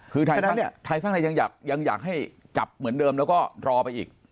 คือไทยสร้างไทยยังอยากให้จับเหมือนเดิมแล้วก็รอไปอีก